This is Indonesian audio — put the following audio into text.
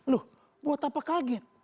loh buat apa kaget